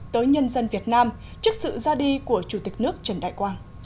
tới nhân dân việt nam trước sự ra đi của chủ tịch nước trần đại quang